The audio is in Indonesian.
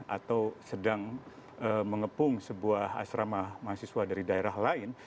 atau sedang mengepung sebuah asrama mahasiswa dari daerah lain